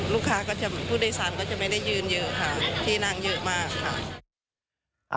ก็จะผู้โดยสารก็จะไม่ได้ยืนเยอะค่ะที่นั่งเยอะมากค่ะ